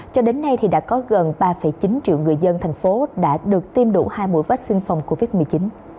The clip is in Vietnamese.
cho đến nay thì đã có gần ba chín triệu người dân thành phố đã được tiêm đủ hai mũi vaccine phòng covid một mươi chín